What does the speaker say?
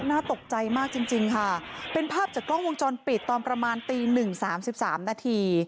น่าตกใจมากจริงจริงค่ะเป็นภาพจากกล้องวงจรปิดตอนประมาณตีหนึ่งสามสิบสามนาที